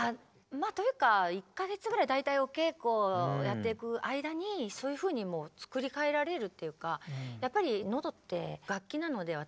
まあというか１か月ぐらい大体お稽古やっていく間にそういうふうにもう作り替えられるっていうか